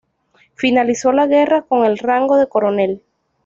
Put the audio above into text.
Finalizó la guerra con el rango de coronel.